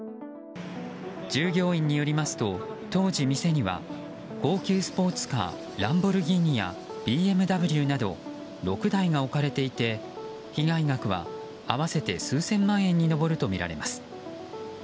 従業員によりますと当時、店には高級スポーツカーランボルギーニやＢＭＷなど６台が置かれていて被害額は合わせて数千万円に上るとみられます。